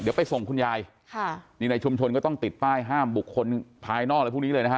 เดี๋ยวไปส่งคุณยายค่ะนี่ในชุมชนก็ต้องติดป้ายห้ามบุคคลภายนอกอะไรพวกนี้เลยนะฮะ